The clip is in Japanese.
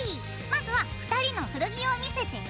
まずは２人の古着を見せて！